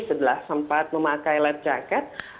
sebelah sempat memakai lep jaket